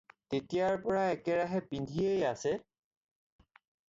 তেতিয়াৰ পৰা একেৰাহে পিন্ধিয়েই আছে?